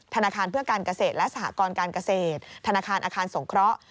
ธนาคารเพื่อการเกษตรและสหกรการเกษตรธนาคารอาคารสงเคราะห์